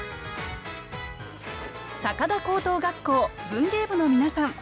高田高等学校文芸部の皆さん